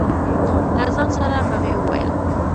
له ځان سره به مې وویل.